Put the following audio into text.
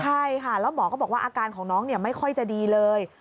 ใช่ค่ะแล้วหมอก็บอกว่าอาการของน้องไม่ค่อยจะดีเลย